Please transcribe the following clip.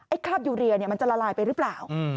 คราบยูเรียมันจะละลายไปหรือเปล่า